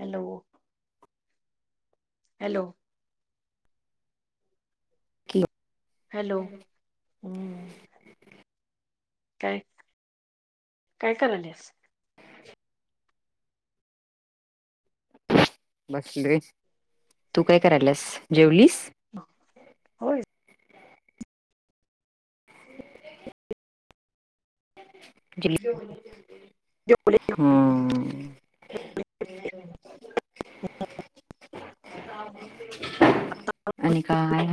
Hello. Hello. कि hello हम्म. काय काय करालेस? ह. बसे तू काय करायलास जेवलीस? होय. जेवले हम्म. हम्. आणि काय?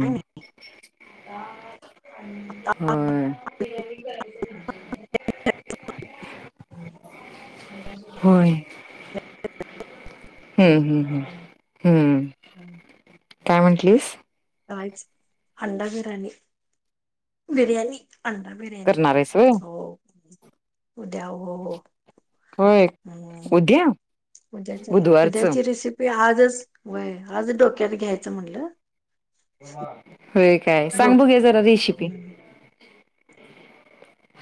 काय नाही हम्. हा. होय. हम्म हम्म हम् हम्म. ह. काय म्हंटलीस? राई अंडा बिर्याणी बिर्याणी अंडा बिर्याणी करणार आहेस व्हय? हो उद्या हो हो. होय हम्म उद्या. उद्याच्या बुधवारचं उद्याची रेसिपी आजच वय आज डोक्यात घ्यायचं म्हणलं. हो काय सांग झोप बघे जरा रेसिपी हम्म.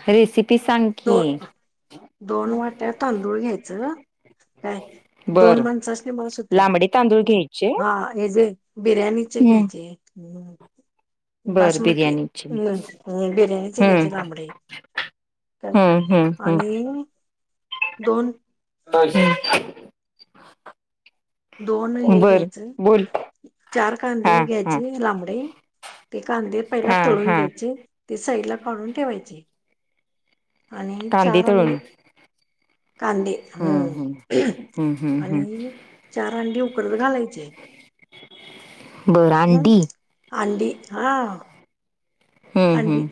रेसिपी कि दोन दोन वाट्या तांदूळ घ्यायचं. काय दोन बरं. माणसासने बस होते लांबडे तांदूळ घ्यायचे हा हे जे बिर्याणीचे हम्म. घ्यायचे. बर बासमती बिर्याणीची. हम्मम् बिर्याणीच घ्यायचे हम्म लांबडे काय हम्म आणि दोन अज दोन हे घ्यायचं. चार हा कांदे हा घ्यायची लांबडे ते कांदे पहिला हा तळून हा घ्यायचे. ते साईडला काढून ठेवायचे आणि कांदे चार तळून कांदे हम्म हम्म हम् हम्म हम्म हम्म. आणि ांडी उकडत घालायचे. बर ह अंडी आडीी हा. हम्म हंडी हम्म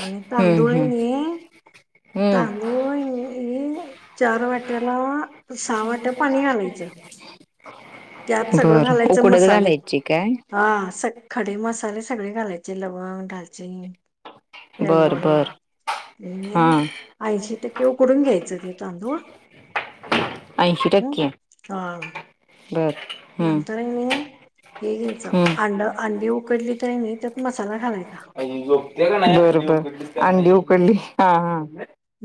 आणि तर हम्म अंदळ हम्म नाही आहे. हम्म तांदूळ हे चार वाट्याला सहा वाट्या पाणी घालायचं. [unintelligible] त्यात सगळं बरं घालायचं उकडत मसाले घालायची काय? हा सग खडे मसाले सगळे घालायचे लवंग डालची बर बर. हा ऐंशी टक्के उकडून घ्यायचं ते तांदूळ. ऐंशी हम्म. टक्के हा. घर नंतर हेंनी हम्म उकडली तर नाही त्यात मसाला घालायचा अ गो. सगळं बरोबर अंडी उकडली हा हा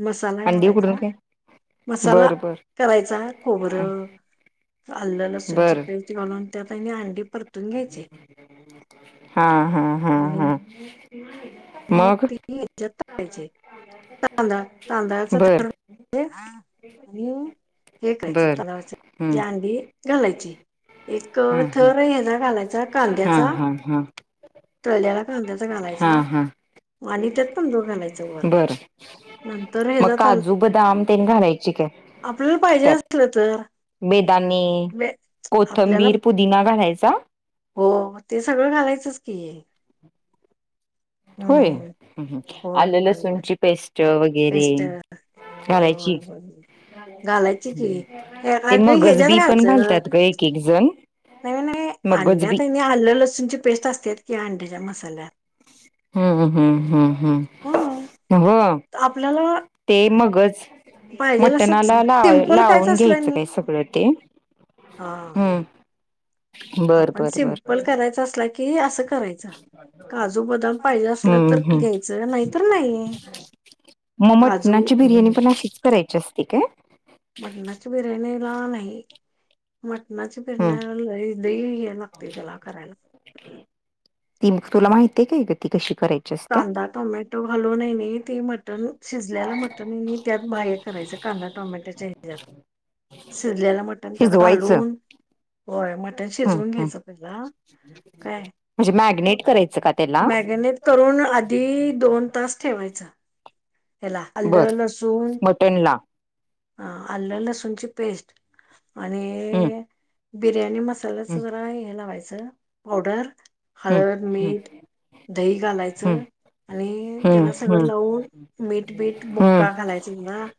मसाला अंडी उकडून घालायचा काय मसाला बर बर करायचा खोबरं आल्लं लसूणची बर पेस्ट घालून त्यात आणि अंडी परतून घ्यायची. हा हा हा आणि हा मग ते बी ह्याच्यात टाकायचे तांदाळा तांदळाच बर [unintelligible] ते आणि हे करायचं बर तलावायच ती हम्म अंडी घालायची. एक हा थर हा हेचा घालायचा हा कांद्याचा हा तळलेल्या कांद्याचा हा हा घालायचा. हा आणि त्यात तांदूळ घालायचं वर बर नंतर ह्याचा मग काजू बदाम तेन घालायची काय. आपल्या पाय त्यात बेदाने बे आपल्याला कोथंबीर पुदिना घालायचा. हो मं ते सगळं घालायचंच की होय हम्म हं हं होय आलं होय होय लसूणची पेस्ट वगैरे पेस्ट होय होय घालायची [unintelligible] घालायची की ते अगं मगज ह्याच्यात बी पण घालायचं घालतात ग एक एक जण मगज बी आल लसूणची पेस्ट असत्यात कि अंड्याच्या मसाल्यात हूं हूं हूं हूं हूं हो. त आपल्याला ते मगज पाहिजेल असच मटणाला लाव सिम्पल कायच लावून असलं घ्यायचं काय नाही सगळं ते हा. हम्म. बर आपण बर बर सिम्पल करायचा असला कि असं करायचा काजू बदाम पाहिजे असल हम्म तर हम्म घ्यायचं नाहीतर नाही मग काजू मटणाची बिर्याणी हं पण अशीच करायची असते काय. मटणाची बिर्याणीला नही. मटणाची हम्म. पिरण्या लयी लई हे लागतय त्याला करायला. तीनं तुला माहिती आहे काय ही गती कशी करेल. कांदा टोमॅटो घालून हे नय ते मटन शिजल्याला मटन त्यात बाह्य करायचं कांदा टोमॅटोचे ह्याज्यात शिजल्यालं मटण त्यात शिजवायचं घालून होय मटन हम्म शिजवून हम्म. घ्यायचं पहिला काय म्हणजे मॅगनेट करायचं का त्याला मॅगिनेट करून आधी दोन तास ठेवायचा. तेला बर आल्लं लसून मटनला ह आलं लसूणची पेस्ट आणि हम्म बिर्याणी म मसाल्याच जरा हे लावायचं पावडर हम्म हम्म हळद, हम्म मीठ, दही हम्म घालायचं आणि त्याला हम्म सगळं हम्म लावून मीठ बीठ बुक्का हम्म घालायचानं बा -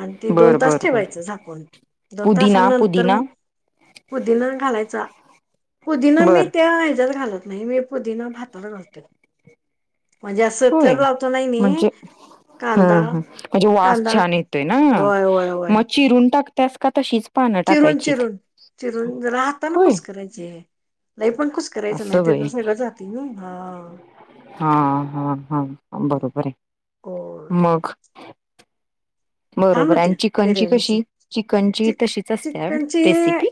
आणि ते दोन बर तास बर बर ठेवायचं झाकून दोन पुदिना तासानंतर पुदिना पुदीनानं घालायचा पुदीना मी बर त्या हयाच्यात घालत नाही मी पुदीना भातात घालतोय म्हणजे असं थर लावतो नाय मी कांदा हं हं म्हणजे वास कांदा छान येतोय ना होय होय होय मग चिरून टाकत्यास का तशीच पानं चिरून टाकायचीत चिरून चिरून जरा हातानं होय कुस्करायचे. लय पण कुसकरायचं नाय असं व्हय त्याचं सगळं जातंय ना हा हा हा हा बरोबर आहे गोड मग छान बरोबर होत्या आणि चिकनची बिर्याणीच कशी चिकनची चिक तशीच असते चिकनची रेसिपी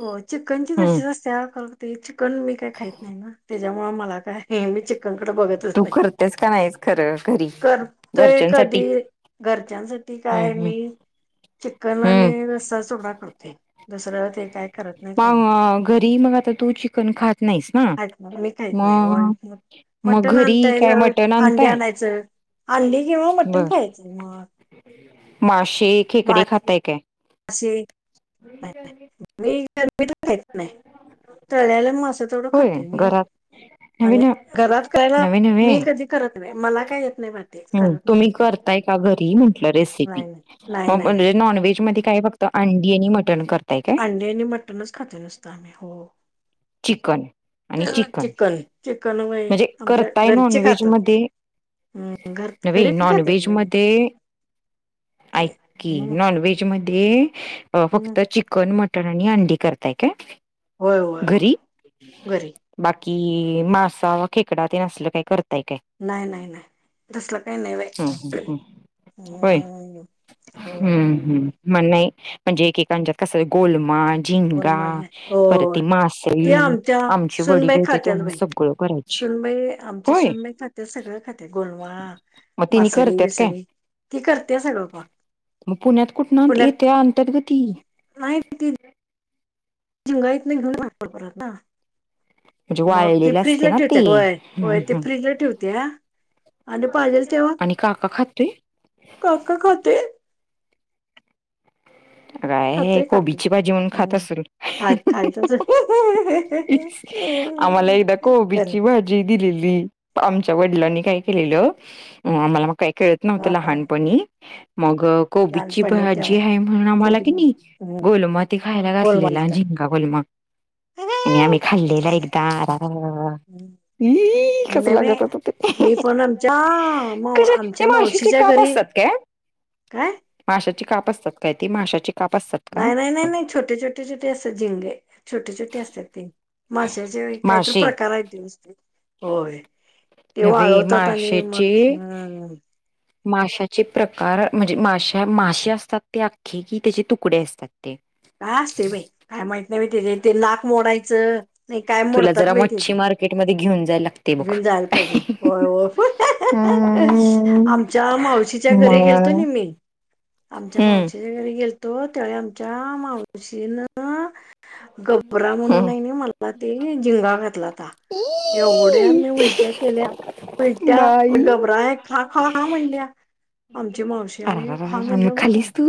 हो चिकनची हम्म कशी असत्या कारण ते चिकन मी काय खात नाही ना त्याच्यामुळे मला काय मी चिकनकडे बघतच तू नाही करतेस का नाहीस खरं घरी करतोय घरच्यांसाठी कधी घरच्यांसाठी हम्म काय हम्म मी चिक्न आणि हम्म रसा चोगडा करते दुसरं ते काय करत नाही काही मग अ, घरी मग आता तू ण खात नाही ना नाही मी खाहीत नाही होय. मग मग घरी काय मटण अंडी आणताय आणायचं अंडी किंवा मटण खायचं मग माशी खेकडी खाताय काय असशी नाही बा मी गरमीत खच नाही तळला मास तेथोडं होय खात मी घरात नवे आणि न घरात करायला नवे नवे मी कधी करत नाही मला काय येत नाही ब ह तुम्ही करताय का घरी म्हंटलं रेसिपी नाही नाही. नाही मग नाही नाही म्हणजे नॉनव्हेज मध्ये काय बत अंडी आणि मटण करताय का आणि मटणच खातो नसत आम्ही हो चिकन आणि चिकन चिकन व्हय म्हणजे आमच्या करताय घरचे नॉनव्हेज खातात. मध्ये हम्म घर न घरी नॉनवज खातात म हम्म नॉनव्हेज हम्म फक्त चिकन मटण आणि अंडी करताय का होय होय होय घरी घरी बाकी मासा खेकडा ते नसल काय करत नाही नाही नाही तसला काही नाही हम्म बा हम्म हम्म. होय हो हम्म हम्म म्हण म्हणजे एकांत कस गमा ंगा गोलमाल नाही हो परती ते मासळी आमच्या आमचे वडील होते ते्हा सगळं करायचं सुनमई आमचे सुनमई खाते सगळं खाते गोडवा मग तिने मासळी करत्यात काय विसळी ती करतेय सगळं फक मग पुण्यात कुठ ना येत्या अंतर्गती माती जिंगाईत नाही घेऊनगतो परत ना म्हणजे मग ते वाळलेलं असते फ्रीजला ना ते ठेवते होय हम्म होय ते हम्म फ्रीजला ठेवते हा आणि काका खातातोय काका कते अ काय खाते काकी कोबीची भाजी म्हणून खात हम्म अस खा खायचंच आम्हाला एकदा गण कोबिची भाजी जी दिलेली आमच्या वडिलांनी काय केलेलं आम्हाला मग काही कळत नव्हतं हा लहानपणी मग कोबीची लहानपणी भाजी तेव्हा आहे म्हणून आम्हाला खूप किती हम्म गम खायला घात गोलमालता मग आणि आम्ही खाल्लेला एकदा रा हम्म मी नाही मी ते मी पण आमच्या मा आमच्या मावशीच्या घरी का काय माशाची काप असतात काय ती माशाची काप असतात का नाही नाही नाही नाही छोटे छोटे छोटे असतात झिंगे छोटे छोटे असतात ते माशाचे काहीतरी मासे प्रकार आहेत दिवस्थ होय ते न् वाळवतात आणि मग माशेचे हम्म माशाचे प्रकार म्हणजे माश्या मासे असतात ते आख्खे कि त्याचे तुकडे असतात ते काय असते बाई काय माहित नाही बा ते ते नाक मोडायचं नाही काय मोडतात बाई ते म्केट मध्येेऊ जाय लागते झाल पाजे हम्म आमच्या मावशीच्या घरी गेलतो नि मी आमच्या हम्म मावशीच्या गेलतो त्यावेळी आमच्या मा [unintelligible] रा म्हणून हम्म नाही मला ते झिंगा घातला त एवढ्या आम् उलट्या केल्या उलट्या बाई डोबरा खा खा खा म्हणल्या आमच्या अर मावशीने खा मग म्हणलं. खालीस तू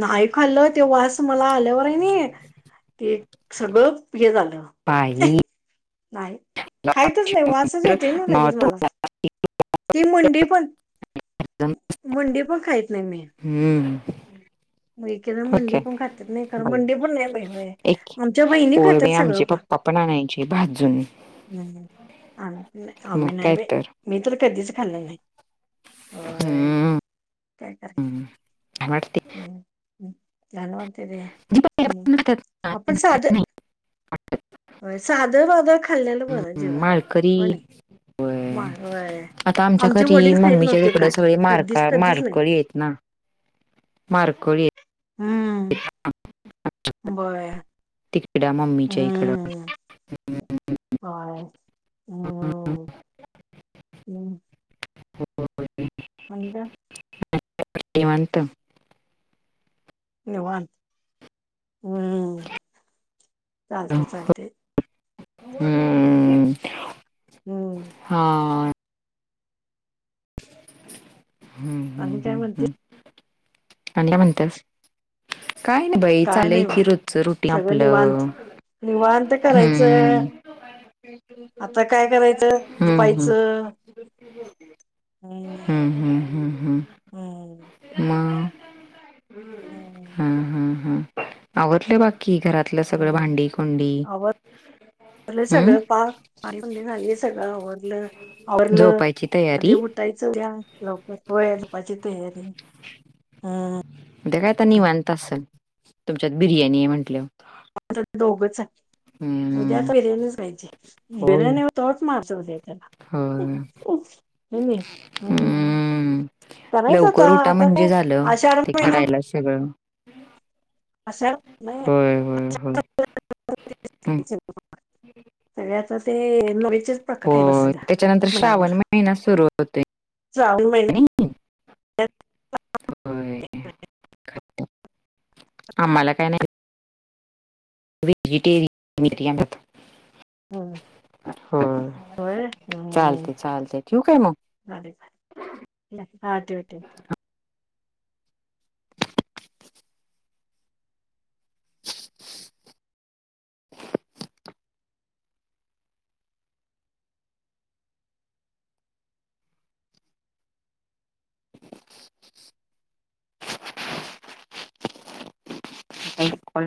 नाही खाल्लं ते वास मला आल्यावर आहे ना ते सगळं हे झालं. पाहि नाही. खायतच नाही वाचच येते ना लगेच मला ती मंडी पण मंडी पण खायत नाही मी हम्म. मग एकदा मंडी ओके पण खातात नाही कारण बाई मंडी पण नाही बाई होय एक आमच्या बहिणी होय खातात बाई सगळं आमचे पा पप्पा पण आणायची भाजून हम् आम मग आम्ही नाही काय बा तर मी तर कधीच खाल्लं नाही. होय काय करे ह ते ् झाला वाणतेर जी हम् पहिल्यापासून खातात अपण स अ होय सादर वादळ खाल्लेलं बर नाही जेवण माळकरी होणे. म व आता आमच्या आमचे घरी वडील खाहीत मम्मीच्या नव्हते तिकडं काय सगळे मारका कधीच कधीच नाही. मारकोळी हम्म बरं. एडा मम्मीच्या इकड. ह हम्म. हम्म. हो. म्हज श्रीमंत नि वान हम्म चालते चालते. हम्म हम्म हा. हम्म आम्ही काय म्हणते. आणला म्हणतस काय ना बाई काय चालंय नाही बघ, की रोजच रोटी सगळं निवांत आपलं. निवांत करायचं हम्म. आता काय करायचं हम्म हम. झोपायचं हम्म हम्म हम्म हम्म म हम्म हम हम हम आवडले बाकीकी घरातलं सगळं हम्म भांडी कोुंडी लं सगळं पाक झालीय सगळं आडलं आवरलं झोपायची आ तयारी उठ. ायच घ्या लवक वयारपाची तयारी हम्म. ते काय आता निवांत असेल तुमच्यात बिर्याणी आहे म्हटल. दोघच उद्या हम्म आता हिर्याणच वयज होय हिर्याने होतच माारझ्या होय हम हम्. हम्म लवकर उठा म्हणजे झालं आषाढ ते महिना करायला सगळं. असं नाही होय होय अस. होय हम्म सगळ्याच ते न होय त्याच्यानंतर श्रावण महिना सुरू होतोय म तर नाही आम्हाला काही नाही. व्हहेजिटेरयन [unintelligible] महिन्यात हो होय चालते चालते ठेवू काय मग? अ हा ठेवते कॉल